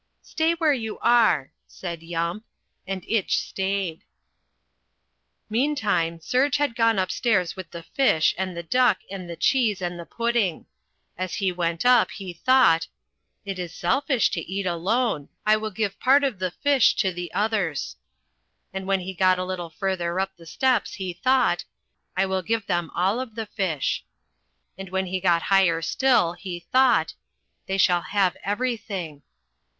"Stay where you are," said Yump. And Itch stayed. Meantime Serge had gone upstairs with the fish and the duck and the cheese and the pudding. As he went up he thought. "It is selfish to eat alone. I will give part of the fish to the others." And when he got a little further up the steps he thought, "I will give them all of the fish." And when he got higher still he thought, "They shall have everything."